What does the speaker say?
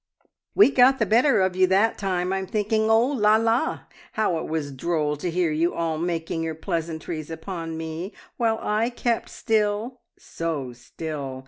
"We got the better of you that time, I'm thinking! Oh, la la! how it was droll to hear you all making your pleasantries upon me while I kept still so still!